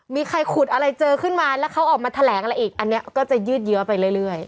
มีใครขุดอะไรเจอขึ้นมาแล้วเขาออกมาแถลงอะไรอีกอันนี้ก็จะยืดเยื้อไปเรื่อย